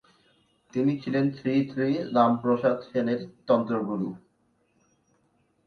তিনি ছিলেন শ্রীশ্রী রামপ্রসাদ সেনের তন্ত্রগুরু।